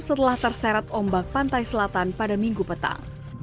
setelah terseret ombak pantai selatan pada minggu petang